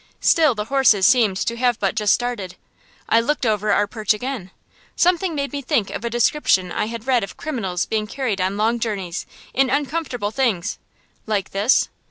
Still the horses seemed to have but just started. I looked over our perch again. Something made me think of a description I had read of criminals being carried on long journeys in uncomfortable things like this?